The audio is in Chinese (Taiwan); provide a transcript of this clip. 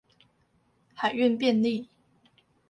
海運便利